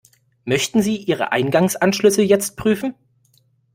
Möchten Sie Ihre Eingangsanschlüsse jetzt prüfen?